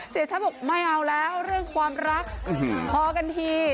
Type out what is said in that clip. เสียชัดบอกไม่เอาแล้วเรื่องความรักพอกันที